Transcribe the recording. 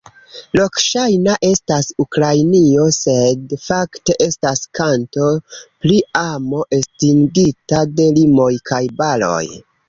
Lokŝajna estas Ukrainio sed fakte estas kanto pri amo estingita de limoj kaj baroj.